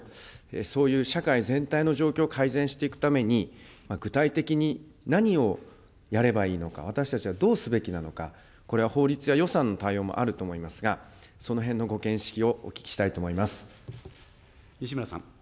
そういう社会全体の状況を改善していくために、具体的に何をやればいいのか、私たちはどうすべきなのか、これは法律や予算の対応もあると思いますが、そのへんのご見識をお聞きしたいと思います。